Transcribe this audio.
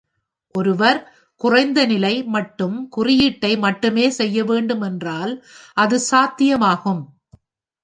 ஒருவர் குறைந்த-நிலை-மட்டும் குறியீட்டை மட்டுமே செய்ய வேண்டும் என்றால், அது சாத்தியமாகும்.